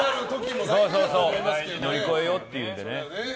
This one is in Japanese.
乗り越えようっていうのでね。